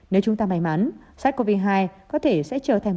nếu chúng ta may mắn sars cov hai có thể sẽ trở thành